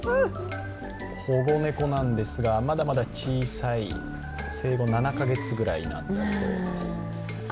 保護猫なんですが、まだまだ小さい生後７カ月ぐらいなんだそうです。